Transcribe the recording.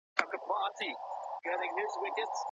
ولي هڅاند سړی د پوه سړي په پرتله برخلیک بدلوي؟